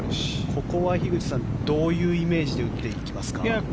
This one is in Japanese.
ここは、樋口さんどういうイメージで打っていきますか。